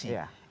itu ruang hidup